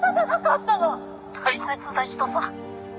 「大切な人さ」